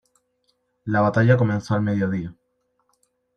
La batalla comenzó al mediodía.